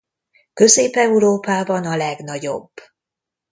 Közép Európában a legnagyobb.